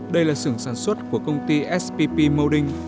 đây là sưởng sản xuất của công ty spp moding